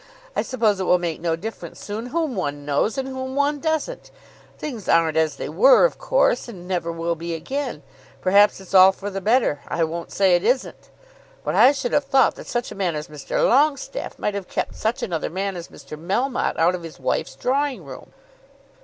I suppose it will make no difference soon whom one knows, and whom one doesn't. Things aren't as they were, of course, and never will be again. Perhaps it's all for the better; I won't say it isn't. But I should have thought that such a man as Mr. Longestaffe might have kept such another man as Mr. Melmotte out of his wife's drawing room."